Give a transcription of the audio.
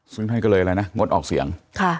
ซึ่งท่านออกเสียง